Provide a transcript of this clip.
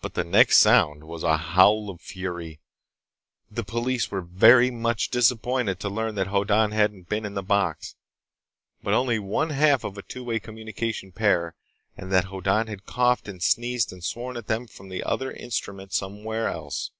But the next sound was a howl of fury. The police were very much disappointed to learn that Hoddan hadn't been in the box, but only one half of a two way communication pair, and that Hoddan had coughed and sneezed and sworn at them from the other instrument somewhere else.